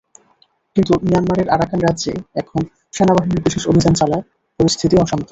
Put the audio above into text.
কিন্তু মিয়ানমারের আরাকান রাজ্যে এখন সেনাবাহিনীর বিশেষ অভিযান চলায় পরিস্থিতি অশান্ত।